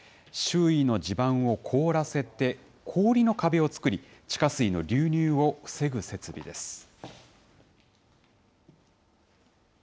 周囲の地盤を凍らせて氷の壁を作り、地下水の流入を防ぐ設備です。